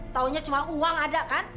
taunya cuma uang ada kan